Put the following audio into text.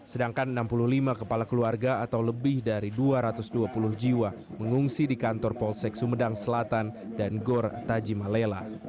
sedangkan enam puluh lima kepala keluarga atau lebih dari dua ratus dua puluh jiwa mengungsi di kantor polsek sumedang selatan dan gor tajimalela